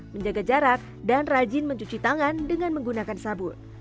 menjaga jarak dan rajin mencuci tangan dengan menggunakan sabun